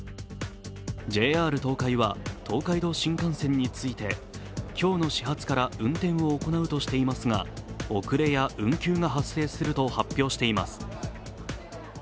ＪＲ東海は東海道新幹線について今日の始発から運転を行うとしていますが遅れや運休が発生すると発表しています。